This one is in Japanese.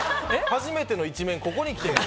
初めての一面ここにきて出る？